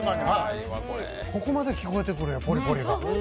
ここまで聞こえてくるポリポリが。